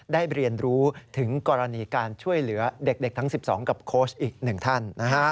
ได้เรียนรู้ถึงกรณีการช่วยเหลือเด็กทั้ง๑๒กับโค้ชอีก๑ท่าน